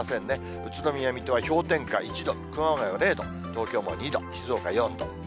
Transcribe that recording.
宇都宮、水戸は氷点下１度、熊谷は０度、東京も２度、静岡４度。